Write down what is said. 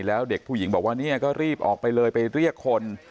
แล้วเด็กผู้หญิงบอกว่าเนี่ยก็รีบออกไปเลยไปเรียกคน